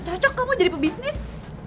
cocok kamu jadi pebisnis